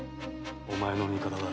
お前の味方だ。